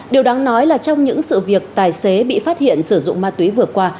điều đáng nói là trong những sự việc tài xế bị phát hiện sử dụng ma túy vừa qua